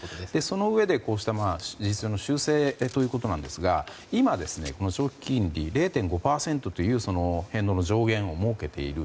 そのうえで、こうした事実上の修正ということですが今、長期金利０．５％という変動の上限を設けている。